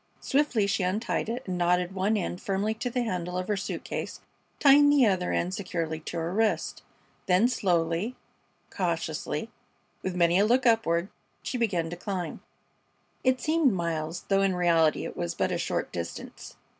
Swiftly she untied it and knotted one end firmly to the handle of her suit case, tying the other end securely to her wrist. Then slowly, cautiously, with many a look upward, she began to climb. It seemed miles, though in reality it was but a short distance.